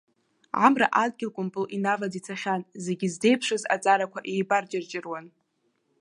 Амра адгьыл кәымпыл инаваӡ ицахьан, зегьы ззеиԥшыз аҵарақәа еибарҷырҷыруан.